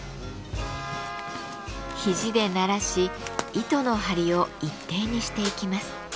肘でならし糸の張りを一定にしていきます。